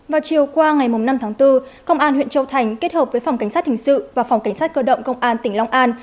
vào chiều qua ngày năm tháng bốn công an huyện châu thành kết hợp với phòng cảnh sát hình sự và phòng cảnh sát cơ động công an tỉnh long an